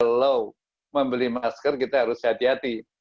kalau membeli masker kita harus hati hati